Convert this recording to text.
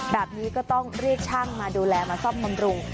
แบบนี้ก็ต้องเรียกช่างมาดูแลมาซ่อมบำรุง